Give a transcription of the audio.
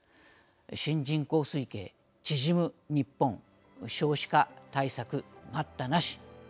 新人口推計縮むニッポン少子化対策待ったなし。